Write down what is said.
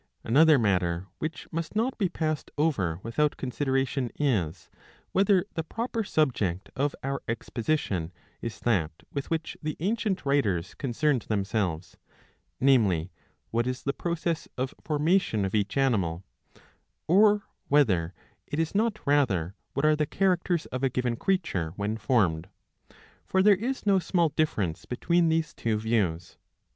^ Another matter which must not be passed over without con sideration is, whether the proper subject of our exposition is that with which the ancient writers concerned themselves, namely, what is the process of formation of each animal; or whether it is not rather, what are the characters of a given creature when formed. For there is no small difference between these two views.